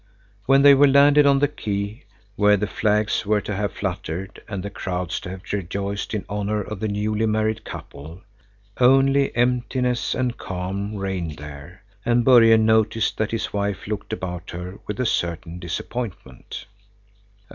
When they were landed on the quay, where the flags were to have fluttered and the crowds to have rejoiced in honor of the newly married couple, only emptiness and calm reigned there, and Börje noticed that his wife looked about her with a certain disappointment.